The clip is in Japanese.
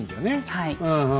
はい。